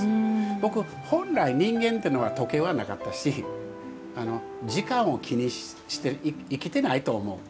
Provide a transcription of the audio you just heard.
僕、本来、人間というのは時計はなかったし時間を気にして生きてないと思う。